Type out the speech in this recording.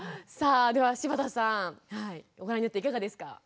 さあでは柴田さんご覧になっていかがですか？